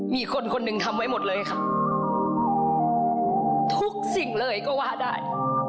มีคนคนหนึ่งทำไว้หมดเลยค่ะทุกสิ่งเลยก็ว่าได้